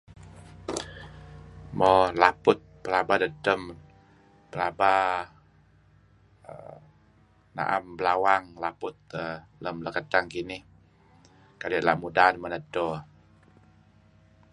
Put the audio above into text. Mo, laput pelaba dedtem, na'em belawang lem laput lem lekedtang kinih kadi' la' mudan men edto.